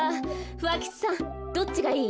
ふわ吉さんどっちがいい？